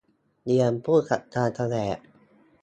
เรียนผู้จัดการแผนก